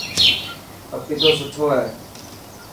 پپيتو سٺو هي.